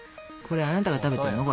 これあなたが食べてるの？